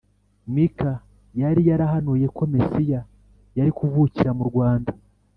Mika yari yarahanuye ko Mesiya yari kuvukira mu rwanda